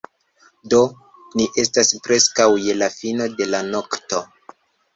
Do, ni estas preskaŭ je la fino de la nokto